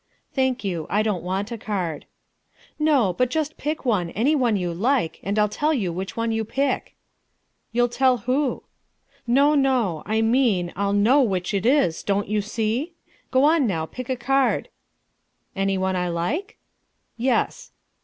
"Thank you, I don't want a card." "No, but just pick one, any one you like, and I'll tell which one you pick." "You'll tell who?" "No, no; I mean, I'll know which it is don't you see? Go on now, pick a card." "Any one I like?" "Yes."